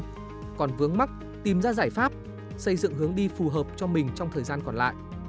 nhưng còn vướng mắt tìm ra giải pháp xây dựng hướng đi phù hợp cho mình trong thời gian còn lại